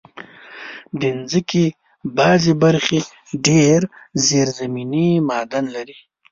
د مځکې بعضي برخې ډېر زېرزمینې معادن لري.